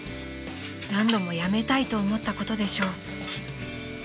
［何度も辞めたいと思ったことでしょう］